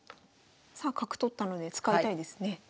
さあ角取ったので使いたいですね。